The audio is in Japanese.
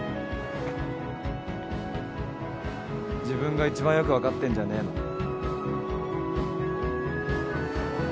自分が一番よく分かってんじゃねえの？